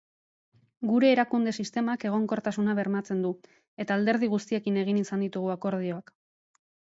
Gure erakunde-sistemak egonkortasuna bermatzen du, eta alderdi guztiekin egin izan ditugu akordioak.